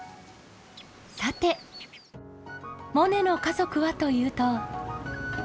さてモネの家族はというと。